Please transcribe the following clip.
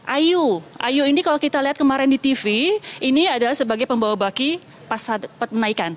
ayu ayu ini kalau kita lihat kemarin di tv ini adalah sebagai pembawa baki pas menaikan